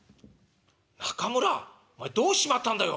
「中村お前どうしちまったんだよ。